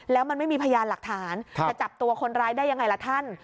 แล้วมันไม่มีพยานหลักฐานจะจับตัวคนร้ายได้ยังไงล่ะท่าน